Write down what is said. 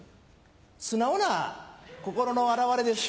素直な心の表れです。